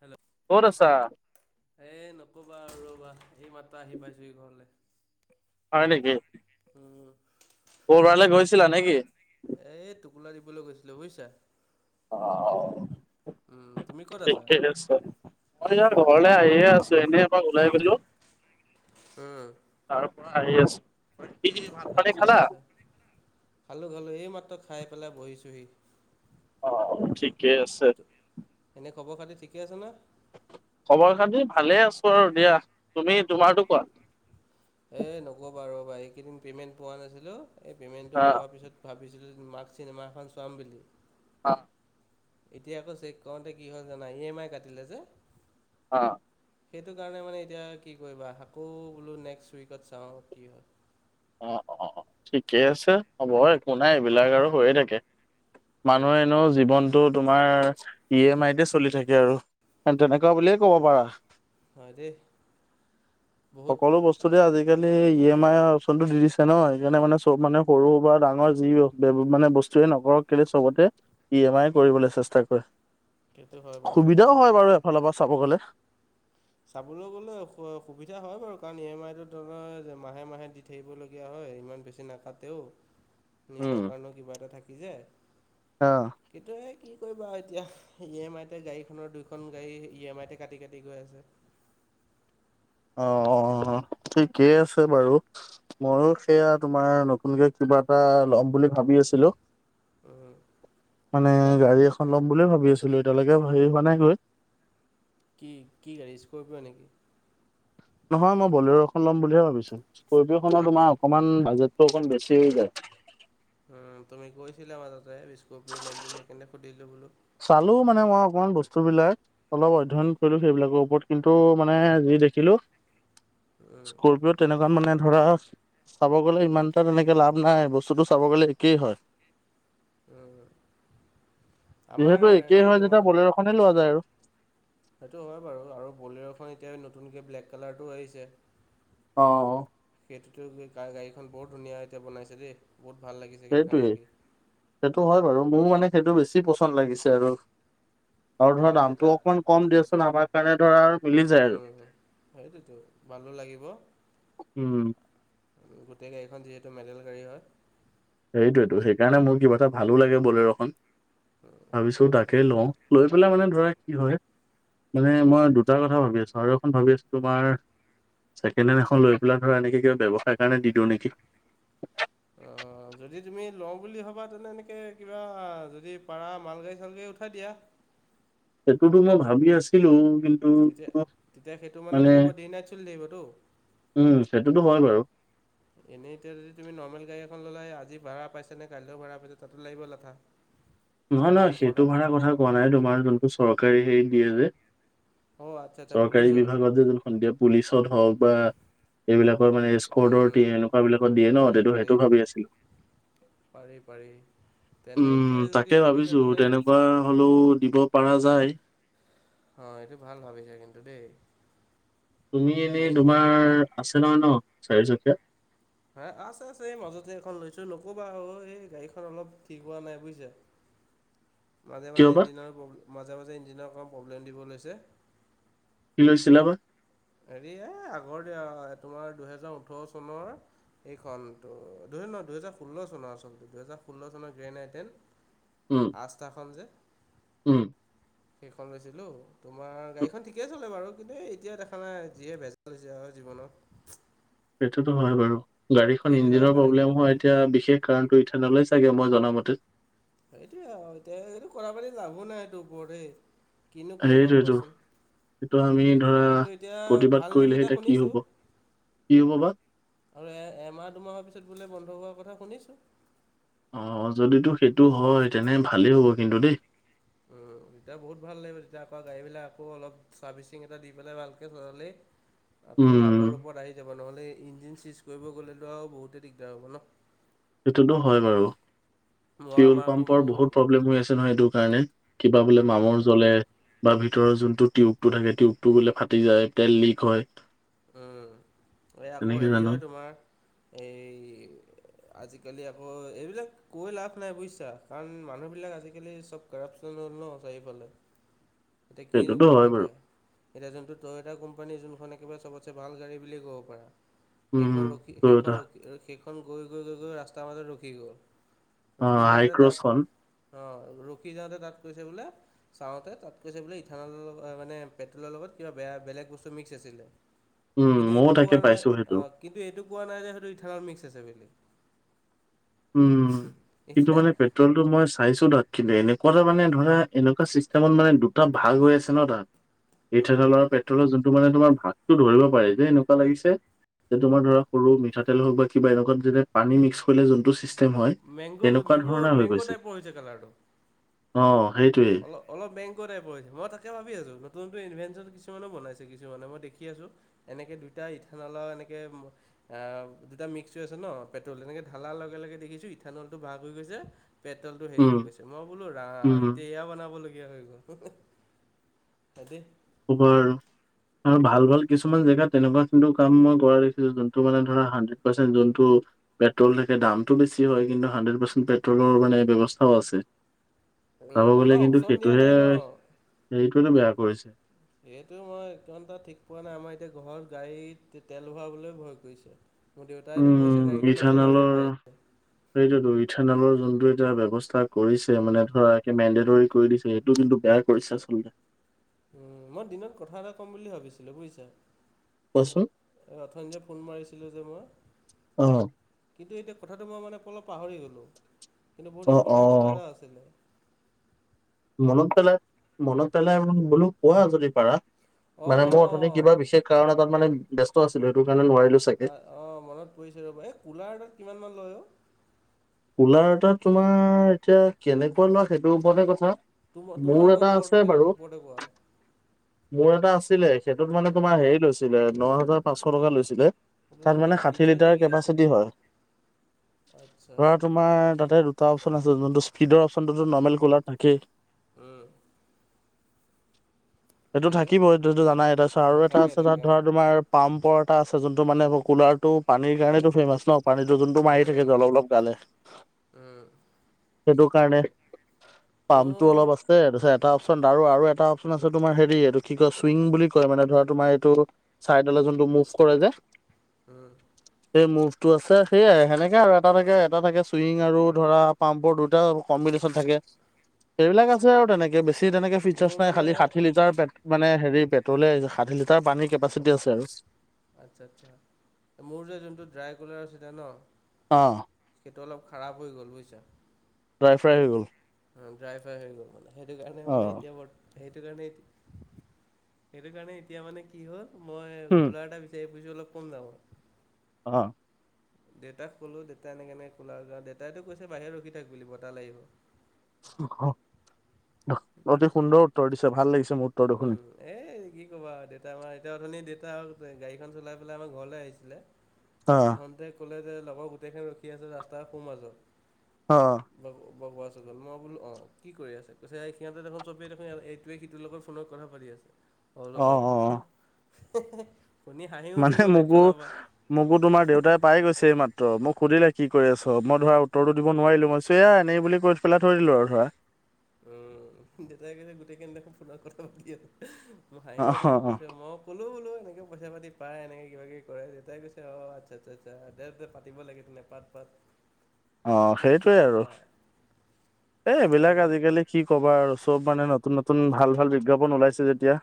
Hello কত আছা? এ নকবা ৰ'বা, এই মাত্ৰ আহি পাইছোহি ঘৰলে। হয় নেকি? উম। ক'ৰবাৰলে গৈছিলা নেকি? এই টুকোলা দিবলৈ গৈছিলো বুজিছা। অঁ, উম তুমি ক'ত আছা? ঠিকে আছে। মই এইয়া ঘৰলে আহি আছো এনেই এপাক ওলাই গলো। উম তাৰ পৰা আহি আছো, কি ভাত পানি আচ্ছা খালা? আচ্ছা খালোঁ খালোঁ এই মাত্ৰ খাই পেলাই বহিছোহি। অঁ ঠিকেই আছে। এনে খবৰ খাতি ঠিকে আছে ন। খবৰ খাতি ভালে আছো আৰু দিয়া, তুমি তোমাৰতো কোৱা? এই নক'বা ৰ'বা এইকেইদিন পে'মেণ্ট পোৱা নাছিলোঁ এই পে'মেণ্টটো অ পোৱাৰ পিছত- ভাবিছিলোঁ মাক চিনেমা এখন চোৱাম বুলি। অ এতিয়া আকৌ চেক কৰোঁতে কি হ'ল জানা ই এম আই কাটিলে যে। অঁ সেইটো কাৰণে মানে এতিয়া কি কৰিবা আকৌ বোলো নেক্স উইকত চাওঁ কি হয়। অঁ অঁ অঁ ঠিকে আছে হ'ব একো নাই এইবিলাক আৰু হৈয়ে থাকে। উম মানুহে এনেওঁ জীৱনটো তোমাৰ ই এম আইতে চলি থাকে আৰু তেনেকুৱা বুলিয়ে ক'ব পাৰা। হয় দে বহুত সকলো আজিকালি ই এম আই ফনটো দি দিছে ন সেইকাৰণে মানে চব মানে সৰু বা ডাঙৰ যি মানে বস্তুৱে নকৰক কেলে চবতে ই এম আই কৰিবলৈ চেষ্টা কৰে, সেইটো হয় বাৰু সেইটো সুবিধাও হয় বাৰু এফালৰ পৰা চাব গলে। চাবলৈ গ'লে সু সুবিধা হয় বাৰু কাৰণ ই এম আইটোৰ ধৰা মাহে মাহে- দিবলগীয়া হয় ইমান বেছি নাকাটেও। [unintelligible] নিজৰ কাৰণেও কিবা এটা থাকি যায়। অঁ সেইটোৱে কি কৰিবা আৰু এতিয়া। ই এম আই তে গাড়ীখনৰ দুইখন গাড়ী ই এম আই কাটি কাটি গৈ আছে। অঁ অঁ অঁ ঠিকেই আছে বাৰু ময়ো সেয়া তোমাৰ নতুনকে কিবা এটা ল'ম বুলি। ভাবি আছিলো, উম, মানে কি বা গাড়ী এখন ল'ম বুলি ভাবি আছিলো এতিয়ালৈকে হেৰি হোৱা নাই গৈ। কি -কি গাড়ী স্কৰপিঅ' নেকি? নহয় মই বলেৰ খন লম বুলিহে ভাবিছোঁ স্কৰপিঅ খনৰ আচ্ছা তোমাৰ অকমান বাজেট টো অকণ বছি হৈ যায়। তুমি গৈছিলা মাজতে স্কৰপিঅ ল'ম বুলি সেইকাৰণে সুধিলোঁ বোলো। চালো মানে মই অকমান বস্তু বিলাক অলপ অধ্যয়ন কৰিলো সেইবিলাকৰ ওপৰত কিন্তু মানে যি দেখিলো উম, স্কৰপি'অত তেনেকা মানে ধৰা চাব গলে ইমান এটা তেনেকে লাভ নাই। বস্তুটো চাব গলে একেই হয়। উম। আমাৰ যিহেতু একেই হেৰি হয় তোমাৰ যেতিয়া বলেৰ' খনেই লোৱা যায় আৰু। সেইটো হয় বাৰু আৰু বলেৰ'খন এতিয়া নতুনকে ব্লেক কালাৰটো আহিছে। অ, অ। সেইটোতো কা- গাড়ীখন বৰ ধুনীয়া এতিয়া বনাইছে দেই বহুত ভাল লাগিছে গাড়ীখন সেইটোৱেই দেখি। সেইটো হয় বাৰু, মোৰ মানে সেইটো বেছি পচন্দ লাগিছে আৰু। আৰু ধৰা আমাৰ দেউতা দামটো অকমান কম দিয়াচোন আমাৰ কাৰণে ধৰা মিলি যায় আৰু। বালো লাগিব। উম, গোটেই গাড়ীখন যিহেতু মেডেল গাড়ী হয়। সেইটোৱেটো সেইকাৰণে মোৰ কিবা এটা ভালো লাগে বলেৰ'খন। সেইটো ভাবিছো এটা তাকে কথা লওঁ। লৈ পেলাই মানে ধৰা কি হয় মানে মই দুটা কথা ভাবি আছো আৰু এখন ভাবি আছো তোমাৰ ছেকেণ্ড হেণ্ড এখন লৈ পেলাই ধৰা এনেকে কিবা ব্যৱসায়ৰ কাৰণে দি দিওঁ নেকি? অ, যদি তুমি লওঁ বুলি ভাবা তেনে এনেকে কিবা যদি পাৰা মালগাড়ী-চালগাড়ী উ ঠাই দিয়া। সেইটোতো মই ভাবি আছিলো কিন ন্তু তেতিয়া তোমাৰ তেতিয়া সেইটো মানে কি হ'ব ডে নাইট চলি থাকিবতো উম সেইটোতো হয় বাৰু। [inaudible] এনে এতিয়া যদি তুমি নৰ্মেল গাড়ী এখন ল'লা এ আজি ভাড়া পাইনে নে কাইলে ভাড়া পাইছে তাতো লাগিব লেঠা। নহয়, নহয় সেইটো ভাড়া কথা কোৱা নাই। তোমাৰ যোনটো চৰকাৰী হেৰিত দিয়ে যে। অ, আচ্ছা আচ্ছা চৰকাৰী পুলিচৰ বিভাগত যে যোন সন্ধিয়া পুলিচত হ'ক বা এইবিলাকৰ মানে স্কৰ্ডৰ টি উম, এনেকুৱা বিলাকত দিয়ে ন, পাৰি পাৰি সেইটো-সেইটো ভাবি আছিলো। পাৰি, পাৰি। তেনেকে যদি ভাবিছা তেনে এবাৰ হ'লেও দিব পাৰা যায়। অ এইটো ভাল ভাবিছা কিন্তু দেই। তুমি মেইন এনেই তোমাৰ আছে নহয় ন চাৰিচকীয়া? হা? আছে আছে এই মাজতে এখন লৈছো নকবা অ এই গাড়ীখন অলপ ঠিক হোৱা নাই বুইছা। মাজে কিয় মাজে বা ইঞ্জিনৰ প্ৰলে মাজে মাজে ইঞ্জিনৰ অকণ প্ৰব্লেম দিব লৈছে। কি লৈছিলা বা? হেৰি এ আগৰ তোমাৰ দুহেজাৰ ওঠৰ চনৰ এইখনটো দুহেৰ ন দুহেজাৰ ষোল্ল চনৰ আচলতে। দুহেজাৰ ষোল্ল চনৰ গ্ৰেন আই টেন। উম। আস্তাখন যে। উম। সেইখন লৈছিলো তোমাৰ গাড়ীখন ঠিকেই চলে বাৰু। কিন্তু এতিয়া দে [unintelligible] যিহে [unintelligible] হৈছে আৰু জীৱনৰ। সেইটোতো হয় বাৰু। গাড়ীখন সেইবিলাকৰ ইঞ্জিনৰ কাৰণে প্ৰব্লেম হয়। এতিয়া বিশেষ কাৰণ [unintelligible] নলয় চাগে মই জনামতে। এইটোৱেই আও এতিয়া এইটো কৰা পানি লাভো নাই এইটো [unintelligible] দেই। কিনো কৰিম আৰু কোৱাচোন। এইটো আমি ধৰা কিন্তু এতিয়া প্ৰতিবাদ ভাল নিউজ কৰিলেহে এটা এতিয়া কি শুনিছোঁ হ'ব, কি হ'ব বা আৰু এ এমাহ, দুমাহৰ পিছত বোলে বন্ধ হোৱাৰ কথা শুনিছো। অ যদিতো সেইটো হয় তেনে ভালেই হ'ব কিন্তু দেই। উম, তেতিয়া বহুত ভাল লাগিব। তেতিয়া আকৌ গাড়ীবিলাক আকৌ অলপ চাৰ্ভিচিং এটা দি পেলাই ভালকে চলালেই [inaudible] আকৌ আগৰ ৰূপত আহি যাব। নহ'লে ইঞ্জিন চিজ কৰিব গ'লেতো আৰু বহুতেই দিগদাৰ হ'ব ন। সেইটোতো হয় বাৰু। মই ফিউল আমাৰ আকৌ পাম্পৰ মোৰ বহুত প্ৰব্লেম হৈ আছে নহয় এইটো কাৰণে। কিবা বোলে উম, মামৰ উম। জ্বলে। বা ভিতৰৰ যোনটো টিউবটো থাকে টিউবটো বোলে ফাটি যায়, তেল লিক হয়। উম এই আকৌ তেনেকে হেৰি জানো। হয় তোমাৰ এই। আজিকালি আকৌ এইবিলাক কৈ লাভ নাই বুজিছা, কাৰণ মানুহবিলাক আজিকালি চব- কৰাপচন হ'ল ন চাৰিওফালে এতিয়া কিনো সেইটোতো ক'ম হয় বাৰু এতিয়া। এতিয়া যোনটো টয়টা কোম্পানী যোনখন একেবাৰে ছবত ছে ভাল গড়ী বুলিয়ে ক'ব পাৰা,। উম সেইখন ৰখি টয়টা সেইখন ৰখি সেইখন গৈ গৈ গৈ গৈ ৰাস্তাৰ মাজত ৰখি গ'ল। অ ৰখি যাওঁতে হাইক্ৰছখন তাত অ ৰখি যাওঁতে তাত কৈছে বোলে চাওঁতে তাত কৈছে বোলে ইথানল মানে পেট্ৰলৰ লগত কিবা বেয়া বেলেগ বস্তু মিক্স আছিলে। উম কিন্তু ময়ো এইটো তাকে কোৱা নাই পাইছো সেইটো। অ কিন্তু এইটো কোৱা নাই যে হয়টো ইথানল মিক্স আছে বুলি। উম, কিন্তু এতিয়া মানে পে- পেট্ৰলটো মই চাইছোঁ দাত কিন্তু যোৱাটো ম‌ই চাইছো না, এনেকুৱা এটা মানে ধৰা এনেকুৱা চিষ্টেমত মানে দুটা ভাগ হৈ আছে ন তাত। উম, ইঠানলৰ পেট্ৰলৰ যোনটো মানে তোমাৰ ভাগতটো ধৰিব পাৰি যে এনেকুৱা লাগিছে। যে তোমাৰ ধৰা সৰু মিঠাতেল হওক বা কিবা এনেকুৱা যে পানী মিক্স কৰিলে জোনটো- টোৱে হয়, মেংগ' তেনেকুৱা মেংগ' ধৰণে হৈ মেংগ' গৈছিল, টাইপৰ হৈছে অঁ সেইটোৱে- অ অলপ বেংকৰ টাইপৰ মই তাকে ভাবি আছো নতুনত ইনভেনচন কিছুমানে বনাইছে কিছুমানে মই দেখি আছো। এনেকে দুটা ইথানলাও এনেকে- আহ দুটা মিক্স হৈ আছে ন পেট্ৰল এনেকে ঢালাৰ লগে লগে দেখিছো ইথানলটো ভাগ হৈ গৈছে পেট্ৰলটো হেৰি উম হৈ গৈছে মই বোলো ৰাম- উম সেয়া বনাব লগগীয়া হৈ গ'ল, তাকে- খবৰ আৰু, আৰু ভাল ভাল কিছুমান জেগাত তেনেকুৱা কিন্তু কাম মই কৰা দেখিছিলো যোনটো মানে ধৰা হানড্ৰেড পাৰ্চেণ্ট যোনটো- পেট্ৰল থাকে দামটো বেছি হয় কিন্তু হাণ্ড্ৰেড পাৰ্চেণ্ট পেট্ৰলৰ মানে ব্যৱস্থাও আছে। উম, চাব গলে আমাৰ কিন্তু অপচন দিয়া সেইটোহে নাই ন হেৰিটোৱেহে বেয়া কৰিছে। সেইটো মই ইমানটা ঠিক পোৱা নাই আমাৰ এতিয়া ঘৰত গাড়ীত তেল ভৰাবলৈ ভয় কৰিছে। মোৰ দেউতাইতো উম কৈছে গাড়ীখন ইথানলৰ নচলাবিয়ে পাৰিলে। সেইটোতো ইথানলৰ যোনটো এতিয়া ব্যৱস্থা কৰিছে মানে ধৰা একে মেণ্ডেটৰী কৰি দিছে সেইটো কিন্তু বেয়া। কৰিছে আচলতে। উম মই দিনত কথা এটা কম বুলি ভাবিছিলো বুজিছা কচোন। এই অথনি যে ফোন মাৰিছিলো যে মই। অঁ কিন্তু এতিয়া কথাটো মই মানে অলপ পাহৰি গ'লোঁ কিন্তু বহুত অ অ ইম্পৰ্টেণ্ট কথা এটা আছিলে। মনত পেলাই মনত পেলাই বোলো কোৱা যদি পাৰা অঁ মানে অঁ মোৰ অথনি কিবা বিশেষ। কাৰণে তাত মানে ব্যস্ত আছিলো সেইটো কাৰণে নোৱাৰিলো। চাগে অঁ অ মনত পৰিছে ৰবা এই কুলাৰ এটাত কিমান মান লয় অ। কুলাৰ এটাত তোমাৰ এতিয়া কেনেকুৱা লোৱা সেইটোৰ ওপৰতে কথা। তোম মোৰ তোমালোকৰ এটা ঘৰটো আছে বাৰু। ওপৰতে কোৱা মোৰ এটা আছিলে সেইটোত মানে তোমাৰ হেৰি লৈছিলে ন হাজাৰ পাঁচশ টকা লৈছিলে। এইটো তাত মানে ষাঠি ফিচাৰ কি লিটাৰ কি আছে কেপাচিটি হয়। [unintelligible] ধৰা তোমাৰ তাতে দুটা অপশচন আছে যোনটো স্পীডৰ অপশচনটোতো নৰ্মেল কুলাৰ থাকেই। উম এইটো তাৰপিছত থাকিব এইটোটো জানাই এটা আছে আৰু অঁ এটা থাকে আছে তাত থাকে ধৰা অঁ তোমাৰ পাম্পৰ এটা আছে যোনটো মানে কুলাৰটো পানীৰ কাৰণো ফেমাচ ন পানীটো যোনটো মাৰি থাকে উম যে অলপ অলপ উম সেইটো কাৰণে, পামটো মোৰ অলপ আছে এটা অপশচন আৰু এটা অপশচন আছে তোমাৰ হেৰি এইটো কি কয় চুইং বুলি কয় মানে ধৰা তোমাৰ এইটো- চাইডালে যোনটো মুভ কৰে যে। উম সেই মুভটো আছে সেইয়াই সেনেকে আৰু এটা এটাকে। দুটা থাকে চুইং আৰু ধৰা পাম্পৰ দুটা কম্বিনেশ্যন থাকে। এইবিলাক আছে আৰু তেনেকে বেছি তেনেকে ফিচাৰ্চ মোৰ নাই মানে খালি ষাঠি লি। ট মানে হেৰি পেট্ৰলে ষাঠি লিটাৰ পানীৰ কেপাচিটি আছে আৰু। আচ্ছা আচ্ছা মোৰ যে যোনটো ড্ৰাইকোলাৰ আছিলে ন। অ, সেইটো অলপ খাৰাপ হৈ গ'ল বুজিছা। ড্ৰাই ফ্ৰাই হৈ গ'ল। ড্ৰাই ফ্ৰাই হৈ গ'ল মানে সেইটো কাৰণে মানে অ', এতিয়া। সেইটো কাৰণে সেইটো কাৰণে। এতিয়া মানে কি হ'ল মই হুম। কুলাৰ এটা বিচাৰি ফুৰিছোঁ অলপ কম দামত। অ, দেউতাক ক'লো দেউতাই এনেকে এনেকে কোলাৰ আৰু কাৰণ দেউতাইটো কৈছে বাহিৰত ৰখি থাক বুলি বতাহ লাগিব। অতি সুন্দৰ উত্তৰ দিছে ভাল লাগিছে মোৰ। উত্তৰটো শুনি। উম এ কি ক'বা আৰু দেউতা আমাৰ এতিয়া অথনি দেতা গাড়ীখন চলাই পেলাই আমাৰ ঘৰলে আহিছিলে। অ', আহঁতে ক'লে যে লগৰ গোটেইখিন ৰখি আছে ৰাস্তাৰ সোঁ মাজত। অ, বগুৱ চুকত মই বোলো অ কি কৰি আছে কৈছে সিহঁতে দেখোন চবেই দেখোন এইটোৱে সিটোৰ লগত। ফোনত কথা পাতি আছে মই বোলো অ', অ', অ, মানে মোকো মোকো তোমাৰ দেউতাই পাই গৈছে এই মাত, উ মোক সুধিলে কি কৰি আছ মই ধৰা উত্তৰটো দিব নোৱাৰিলো মইছো এয়া এনেই বুলি কৈ পেলাই থৈ দিলো আৰু ধৰা। উ দেউতাই কৈছে গোটেইখিনি দেখোন ফোনত কথা পাতি আছে মই হাঁহি, ক'লো বোলো এনেকৈ পইচা পাতি পাই এনে কিবা কিবি কৰে দেউতাই কৈছে অ আচ্ছা আচ্ছা দে পাতিব লাগে তেনে। পাত পাত, অ কি সেইটোৱে আৰু ক'বা এই এইবিলাক আজিকালি। কি ক'বা আৰু চব মানে নতুন নতুন ভাল ভাল বিজ্ঞাপন ওলাইছে যেতিয়া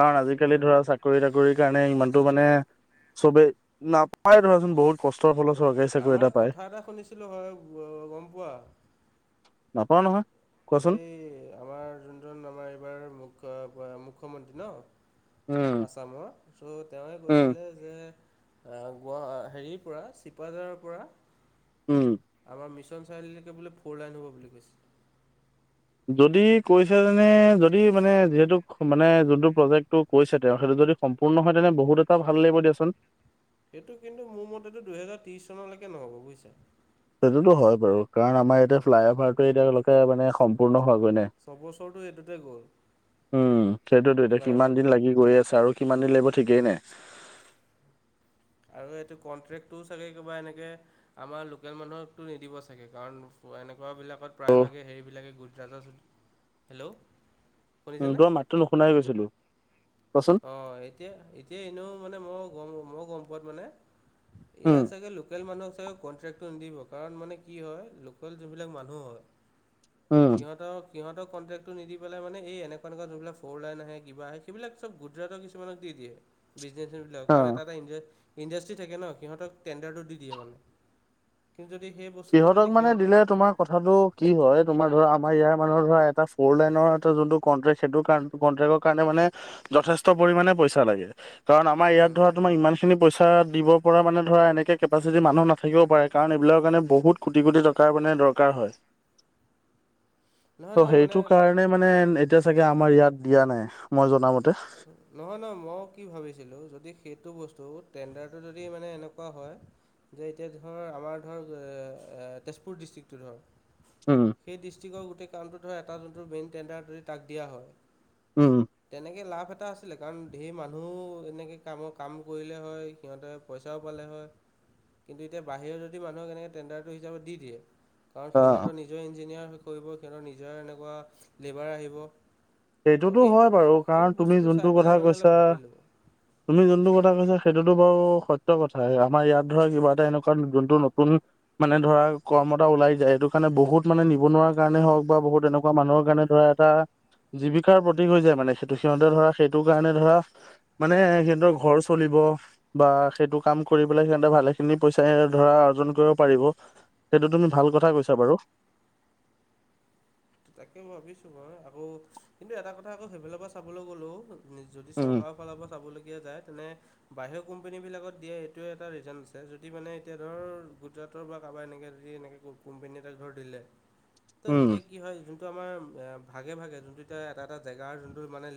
কাৰণ আজিকালি উম ধৰা চা চাকৰি তাকৰিৰ কাৰণে ইমানতটো মানে চবেই নাপায় ধৰাচোন বহুত। কষ্টৰ ফলত চৰকাৰী চাকৰি আমাৰ এটা পায়। কথা [unintelligible] হয় গম পোৱা। নাপাওঁ নহয়। কোৱাচোন এই আমাৰ যোনজন আমাৰ এইবাৰ মু মুখ্যমন্ত্ৰী ন। উম আছামৰ চ তেওঁৱে উম কৈছিলে। গোৱা হেৰিৰ পৰা চিপাঝাৰৰ পৰা। উম, আমাৰ মিছন চাৰিআলিলৈকে বোলে ফ'ৰ লাইন হ'ব বুলি কৈছে। যদি কৈছে যেনে যদি মানে যিহেতু মানে যোনটো প্ৰজেক্টটো। কৈছে তেওঁ সেইটো যদি সম্পূৰ্ণ হয় তেনে বহুত এটা ভাল লাগিব দিয়াচোন। সেইটো কিন্তু মোৰ মতেতো দুহেজাৰ ত্ৰিশ চনলৈকে নহব গৈ চাগে। সেইটোতো হয় বাৰু কাৰণ আমাৰ ইয়াতে ফ্লাই অভাৰটো এতিয়ালৈকে মানে সম্পূৰ্ণ হোৱ গৈ নাই। ছবছৰটো এইটোতে গ'ল উম সেইটোতো এতিয়া কিমান ফ্লাইঅভাৰটো দিন লাগি গৈ আছে আৰু কিমান দিন লাগিব ঠিকেই নাই। আৰু এইটো কনট্ৰেক্টটোও চাগে কিবা এনেকে। আমাৰ লোকেল মানুহকতো নিদিব চাগে কাৰণ এনেকুৱা বিলাকত ত' প্ৰায়ভাগে হেৰিবিলাকে গুজৰাজাত, হেল্ল', উ শুনিছেনে? তোমাৰ মাতটো নুশুনাই হৈ গৈছিলো। কোৱাচোন অ এতিয়া এতিয়া এনেও মানে মই গম মই গম পোৱাত মানে। ই উম চাগ লোক লোকেল মানুহক চাগে কণ্ট্ৰেটো নিদিব কাৰণ মানে কি হয় লোকেল যোনবিলাক মানুহ হয়। উম সিহঁতৰ সিহতক কনট্ৰেক্টো নিদি পেলাই মানে এই এনেকুৱা এনেকুৱা যোনবিলাক ফ'ৰ লাইন আহে কিবা আহে সেইবিলাক। চব গুজৰাটৰ কিছুমানক দি দিয়ে বিজনেচেন বিলাকক অ কাৰণ এটা এটা ই ইণ্ডাষ্ট্ৰী থাকে ন সিহঁতক টেণ্ডাৰটো দি দিয়ে মানে কিন্তু যদি সেই বস্তুটো সিহঁতক যদি মানে সিহঁত, দিলে তোমাৰ কথাটো কি হয় তোমাৰ ধৰা আমাৰ ইয়াৰ মানুৰ ধৰা এটা ফৰ লাইনৰ এটা যোনটো কন্ট্ৰেক্ট সেইটো কাৰণে। কট্ৰেকৰ কাৰণে মানে যথেষ্ট পৰিমাণে পইচা লাগে। কাৰণ আমাৰ ইয়াত উম, ধৰা তোমাৰ ইমান খিনি পইচা দিব পৰা মানে ধৰা এনেকৈ কেপাচিটি মানুহ নাথাকিব পাৰে। কাৰণ এইবিলাকৰ কাৰণে বহুত কোটি কোটি টকাৰ মানে দৰকাৰ হয়। নহয় ত' নহয় মানে সেইটো কাৰ মানে মানে এতিয়া চাগে আমাৰ ইয়াত দিয়া নাই মই জনামতে। নহয় নহয় মই কি ভাবিছিলো যদি সেইটো বস্তু টেণ্ডাৰটো যদি মানে এনেকুৱা হয়। যে এতিয়া ধৰ আমাৰ ধৰ তেজপুৰ ডিষ্ট্ৰিকটো ধৰ। উম সেই ডিষ্ট্ৰিকৰ গোটেই কামণটোত ধৰ এটা যোনটো মেইন টেণ্ডাৰ যৰি তাক দিয়া হয়। উম, উম। তেনেকে লাভ এটা আছিলে কাৰণ ধেই মানুহো এনেকে কামৰ কাম কৰিলে হয়। সিহঁতে পইচাও পালে হয়। কিন্তু এতিয়া বাহিৰত যদি মানুহক এনেকৈ টেণ্ডাৰটো হিচাপত দি দিয়ে। কাৰণ অ', সিহঁতৰ নিজৰ ইঞ্জিনিয়াৰ কৰিব, সিহঁতৰ নিজৰ এনেকুৱা লেবাৰ আহিব। তো সেইটোতো সেই হয় বাৰু। সেই কাৰণ তুমি বস্তুটো চাই যোনটো কথা পেলাই মানে কৈছা অলপ ভাবিলোঁ তুমি যোনটো কথা কৈছা সেইটোতো বাৰু সত্য কথায়ে। আমাৰ ইয়াত ধৰা কিবা এটা এনেকুৱা যোনটো নতুন মানে ধৰা কৰ্মত ওলাই যায় সেই এইটো কাৰণে বহুত মানে নিবনুৱা কাৰণে হওক বা বহুত এনেকুৱা মানুহৰ কাৰণে বা এটা জীৱিকাৰ প্ৰতীক হৈ যায় মানে সেইটো। সিহঁতে ধৰা সেইটো কাৰণে ধৰা মানে সিহঁতৰ ঘৰ চলিব বা সেইটো কাম কৰি‌ পেলাই সিহঁতে ভালেখিনি পইচায়ে ধৰা অৰ্জন কৰিব পাৰিব। সেইটো তুমি ভাল কথা কৈছা বাৰু। তাকে ভাবিছো বাৰু। আকৌ কিন্তু এটা কথা আকৌ সেইফালৰ পৰা চাবলে গ'লেও যদি উম চৰকাৰ ফালৰ পৰা চাবলগীয়া যায় তেনে বাহিৰৰ কোম্পানীবিলাকত দিয়া এইটো এটা ৰিজন আছে যদি মানে এতিয়া ধৰ গুজৰাটৰ বা কাবাৰ এনেকে যদি এনেকে কোম কোম্পেনী এটা ধৰ দিলে। [inaudible] ত এতিয়া কি হয় যোনটো আমাৰ ভাগে ভাগে যোনটো এতিয়া এটা এটা জেগাৰ যোনটো মানে